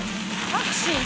タクシー。